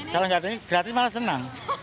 kalau nggak ada ini gratis malah senang